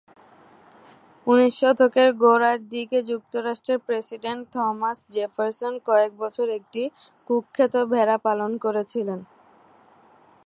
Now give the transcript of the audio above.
উনিশ শতকের গোড়ার দিকে যুক্তরাষ্ট্রের প্রেসিডেন্ট থমাস জেফারসন কয়েক বছর একটি কুখ্যাত ভেড়া পালন করেছিলেন।